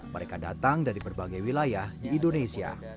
mereka datang dari berbagai wilayah di indonesia